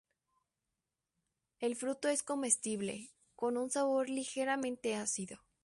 El fruto es comestible, con un sabor ligeramente ácido.